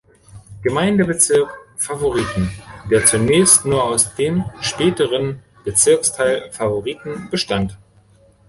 Gemeindebezirk Favoriten, der zunächst nur aus dem späteren Bezirksteil Favoriten bestand.